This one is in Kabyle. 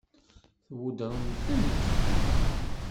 Tweddṛemt-tent?